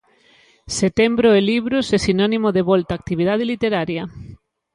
Setembro e libros é sinónimo de volta á actividade literaria.